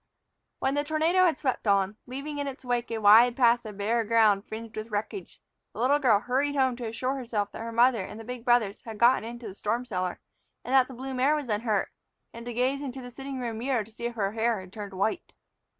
WHEN the tornado had swept on, leaving in its wake a wide path of bare ground fringed with wreckage, the little girl hurried home to assure herself that her mother and the big brothers had gotten into the storm cellar, and that the blue mare was unhurt, and to gaze into the sitting room mirror to see if her hair had turned white.